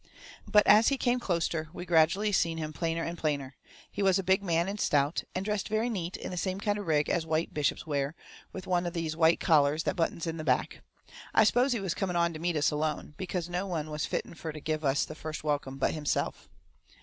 But as he come closeter we gradually seen him plainer and plainer. He was a big man, and stout, and dressed very neat in the same kind of rig as white bishops wear, with one of these white collars that buttons in the back. I suppose he was coming on to meet us alone, because no one was fitten fur to give us the first welcome but himself.